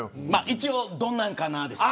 一応、どんなんかなーです。